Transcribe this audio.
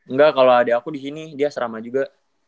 nggak kalo adi aku di sini dia serama juga